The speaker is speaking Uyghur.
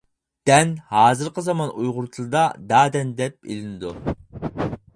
«دەن» ھازىرقى زامان ئۇيغۇر تىلىدا «دادەن» دەپ ئېلىنىدۇ.